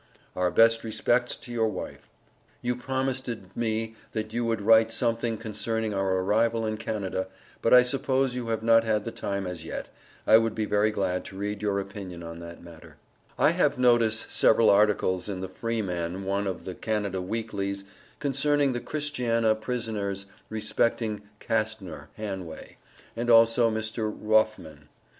Our best respects to your wife. You promisted me that you would write somthing concerning our arrival in Canada but I suppose you have not had the time as yet, I would be very glad to read your opinion on that matter I have notice several articles in the freeman one of the Canada weaklys concerning the Christiana prisoners respecting Castnor Hanway and also Mr. Rauffman.